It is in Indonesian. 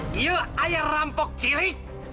dia ayah rampok ciri